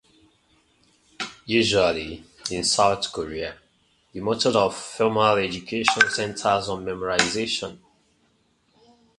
Usually, in South Korea, the method of formal education centers on memorization.